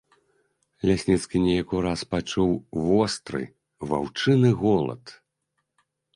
Лясніцкі неяк ураз пачуў востры ваўчыны голад.